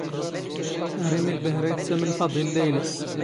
ⴰⵔ ⵉⵎⵉⵍ ⴱⴰⵀⵔⴰ ⵉⵜⵜⴰⵎⵏ ⴼⴰⴹⵉⵍ ⵍⴰⵢⵍⴰ.